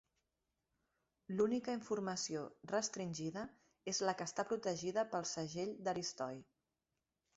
L'única informació restringida és la que està protegida pel "Segell d'Aristoi".